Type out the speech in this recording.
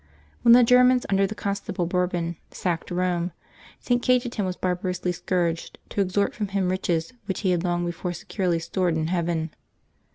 When the Germans, under the Constable Bourbon, sacked Rome, St. Cajetan was barbarously scourged, to extort from him riches which he had long before securely stored in heaven.